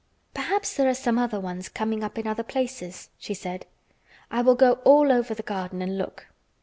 "Perhaps there are some other ones coming up in other places," she said. "I will go all over the garden and look."